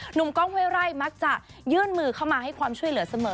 กล้องเว้ไร่มักจะยื่นมือเข้ามาให้ความช่วยเหลือเสมอ